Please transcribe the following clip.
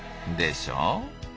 でしょ？